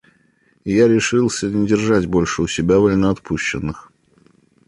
Я решился не держать больше у себя вольноотпущенных.